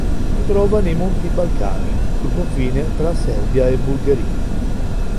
Si trova nei Monti Balcani sul confine tra Serbia e Bulgaria.